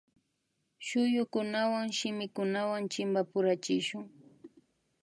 Shuyukunawan shimikunawan chimpapurachishun